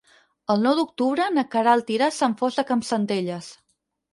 El nou d'octubre na Queralt irà a Sant Fost de Campsentelles.